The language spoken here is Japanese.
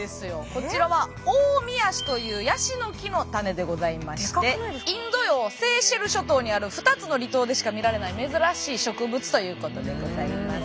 こちらはオオミヤシというヤシの木のタネでございましてインド洋セーシェル諸島にある２つの離島でしか見られない珍しい植物ということでございます。